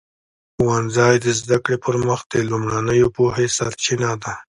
ښوونځی د زده کړې پر مخ د لومړنیو پوهې سرچینه ده.